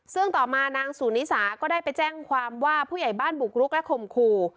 ซึ่งต่อมานางสูนิสาก็ได้ไปแจ้งความว่าผู้ใหญ่บ้านบุกรุกและข่มขู่